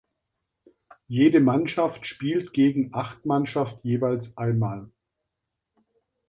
Jede Mannschaft spielt gegen acht Mannschaft jeweils einmal.